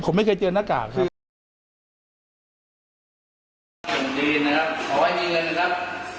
ผมไม่เคยเจอน้ากากครับ